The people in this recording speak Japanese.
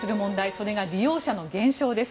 それが利用者の減少です。